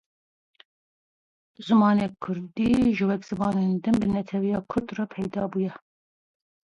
Xwe nelewitîne!